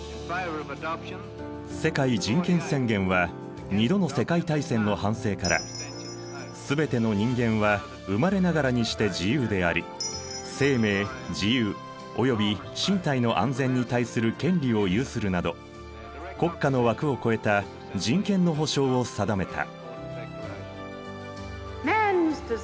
世界人権宣言は２度の世界大戦の反省から「すべての人間は生まれながらにして自由であり生命自由及び身体の安全に対する権利を有する」など国家の枠を超えた人権の保障を定めた。